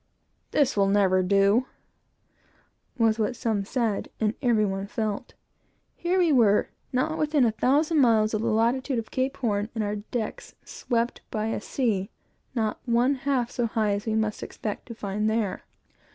"This will never do!" was what some said, and every one felt. Here we were, not yet within a thousand miles of the latitude of Cape Horn, and our decks swept by a sea not one half so high as we must expect to find there.